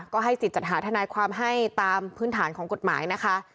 ก็ให้สิทธิ์จัดหาทนายความให้ตามพื้นฐานของกฎหมายนะคะ